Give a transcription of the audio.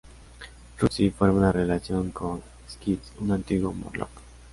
Rusty forma una relación con Skids, un antiguo Morlock.